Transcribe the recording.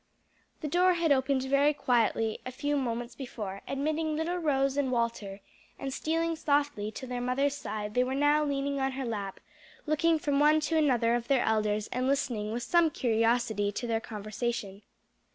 The door had opened very quietly a few moments before, admitting little Rose and Walter, and stealing softly to their mother's side they were now leaning on her lap, looking from one to another of their elders and listening with some curiosity to their conversation.